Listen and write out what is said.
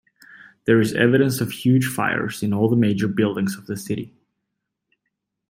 There is evidence of huge fires in all the major buildings of the city.